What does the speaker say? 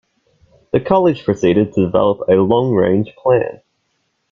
The College proceeded to developed a long-range plan.